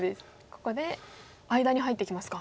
ここで間に入ってきますか。